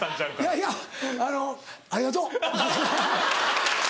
いやいやあのありがとう。